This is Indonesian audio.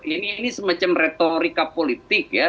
ini semacam retorika politik ya